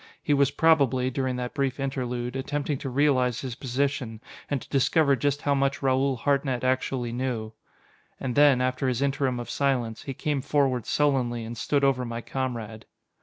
He was probably, during that brief interlude, attempting to realize his position, and to discover just how much Raoul Hartnett actually knew. And then, after his interim of silence, he came forward sullenly and stood over my comrade.